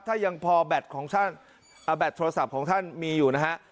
ถ้ายังพอแบตโทรศัพท์ของท่านมีอยู่นะฮะ